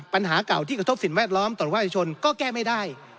ปัญหาเก่าที่กระทบสิ่งแวดล้อมต่อว่าเอกชนก็แก้ไม่ได้